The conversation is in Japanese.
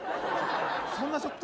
そんなショップ